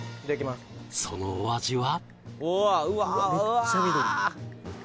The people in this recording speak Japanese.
そのお味は？